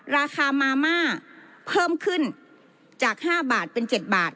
ราคามาม่าเพิ่มขึ้นจาก๕บาทเป็น๗บาท